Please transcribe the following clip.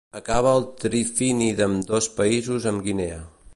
Acaba al trifini d'ambdós països amb Guinea.